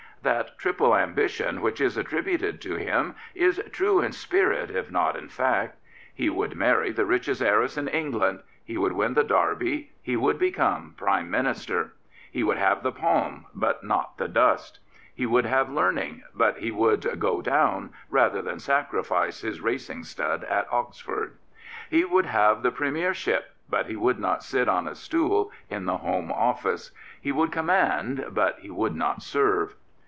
That triple ambition which is attributed to him is true in spirit if not in fact. He would marry the richest heiress in England; he would win the Derby; he would become Prime Minister. He would have the palm, but not the dust. He would have learning; but he would " go down " rather than sacrifice his racing stud at Oxford. He would have the Premier ship; but he would not sit on a stool in the Home Office. He would command; but he would not serve.